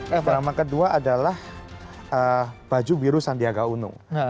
derama kedua adalah baju biru sandiaga uno